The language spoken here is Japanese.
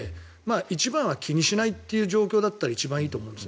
一番は気にしない状況だったら一番いいと思うんです。